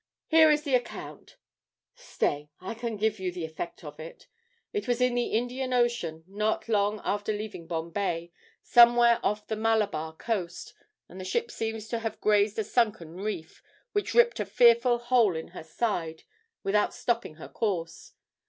'Here is the account stay, I can give you the effect of it. It was in the Indian Ocean, not long after leaving Bombay, somewhere off the Malabar coast; and the ship seems to have grazed a sunken reef, which ripped a fearful hole in her side, without stopping her course.